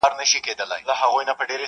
زندګي هم يو تجربه وه ښه دى تېره سوله,